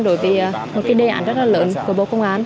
đối với một cái đề án rất là lớn của bộ công an